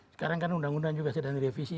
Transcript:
sekarang kan undang undang juga sedang direvisi